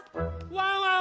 ・ワンワン